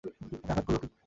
উনাকে আঘাত করল কে?